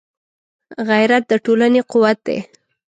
غیرت د ټولنې قوت دی